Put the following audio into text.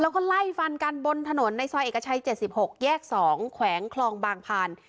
แล้วก็ไล่ฟันกันบนถนนในซอยเอกชัย๗๖แยก๒แขวงคลองบางพาน